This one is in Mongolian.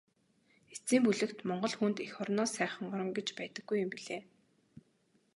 Эцсийн бүлэгт Монгол хүнд эх орноос сайхан орон гэж байдаггүй юм билээ.